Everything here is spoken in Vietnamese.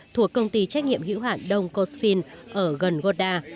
thuộc công ty trách nhiệm hữu hạn đông cosfin ở gần gorda